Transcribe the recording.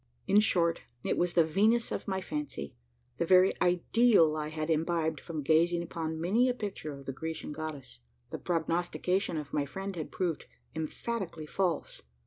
In short, it was the Venus of my fancy the very ideal I had imbibed from gazing upon many a picture of the Grecian goddess. The prognostication of my friend had proved emphatically false.